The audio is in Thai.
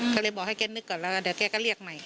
ก็เลยบอกให้แกนึกก่อนแล้วก็เดี๋ยวแกก็เรียกใหม่